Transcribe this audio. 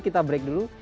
kita break dulu